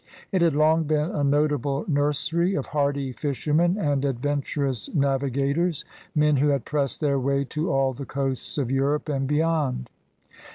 It had long been a notable nursery of hardy fishermen and adventurous navi gators, men who had pressed their way to all the coasts of Europe and beyond.